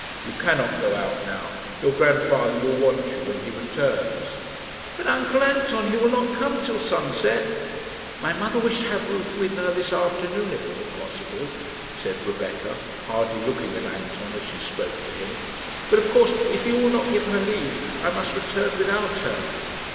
"You cannot go out now. Your grandfather will want you when he returns." "But, uncle Anton, he will not come till sunset." "My mother wished to have Ruth with her this afternoon if it were possible," said Rebecca, hardly looking at Anton as she spoke to him; "but of course if you will not give her leave I must return without her."